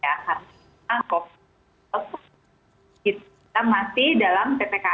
harus kita menganggap kita masih dalam perkembangan